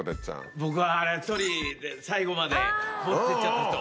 僕は１人で最後まで持ってっちゃった人。